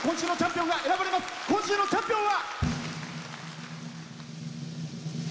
今週のチャンピオンは。